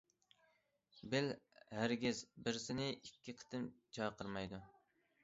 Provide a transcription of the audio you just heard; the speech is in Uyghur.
بىل ھەرگىز بىرسىنى ئىككى قېتىم چاقىرمايدۇ.